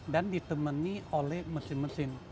dan ditemani oleh mesin mesin